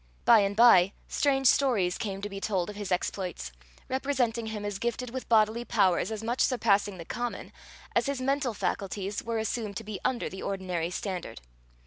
By and by, strange stories came to be told of his exploits, representing him as gifted with bodily powers as much surpassing the common, as his mental faculties were assumed to be under the ordinary standard.